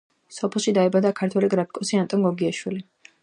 სოფელში დაიბადა ქართველი გრაფიკოსი ანტონ გოგიაშვილი.